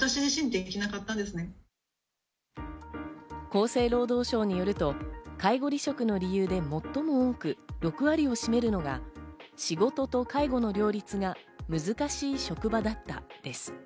厚生労働省によると、介護離職の理由で最も多く、６割を占めるのが仕事と介護の両立が難しい職場だったです。